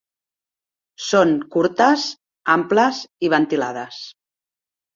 Són curtes, amples i ventilades.